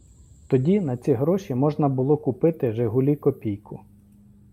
Тоді на ці гроші можна було купити "Жигулі - Копійку".